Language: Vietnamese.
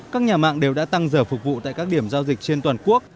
các nhà mạng đều đã tăng giờ phục vụ tại các điểm giao dịch trên toàn quốc